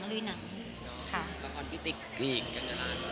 ละครพี่ติ๊กกลีกกันจราน